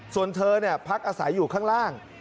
ส่วนเธอพักอาศัยอยู่ข้างล่าง